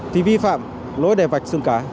thì vi phạm lỗi đè vạch xương cá